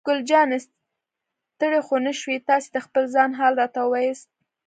ګل جانې: ستړی خو نه شوې؟ تاسې د خپل ځان حال راته ووایاست.